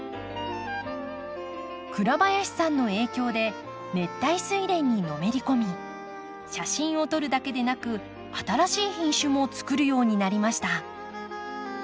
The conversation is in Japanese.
倉林さんの影響で熱帯スイレンにのめり込み写真を撮るだけでなく新しい品種もつくるようになりました。